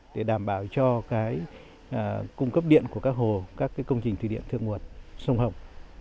để đảm bảo cho cung cấp điện của các hồ các công trình thủy điện thượng nguồn sông hồng